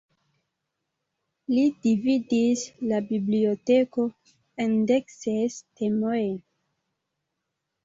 Li dividis la "Biblioteko" en dekses temojn.